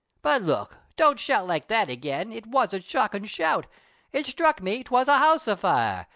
But look! don't shout like that again, It was a shockin' shout, It sthruck me, 'twas a house a fire!